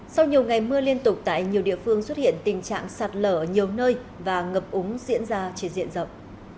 sau nhiều ngày mưa liên tục tại nhiều địa phương xuất hiện tình trạng sạt lở ở nhiều nơi và ngập úng diễn ra trên diện rộng